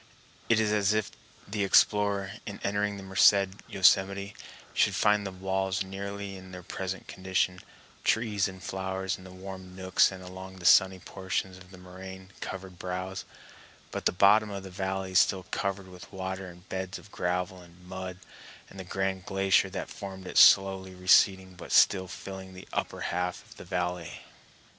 It is as if the explorer, in entering the Merced Yosemite, should find the walls nearly in their present condition, trees and flowers in the warm nooks and along the sunny portions of the moraine covered brows, but the bottom of the valley still covered with water and beds of gravel and mud, and the grand glacier that formed it slowly receding but still filling the upper half of the valley.